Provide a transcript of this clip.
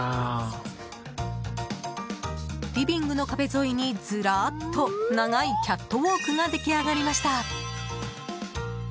リビングの壁沿いにずらーっと長いキャットウォークが出来上がりました。